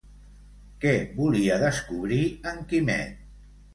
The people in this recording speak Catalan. Què volia descobrir en Quimet?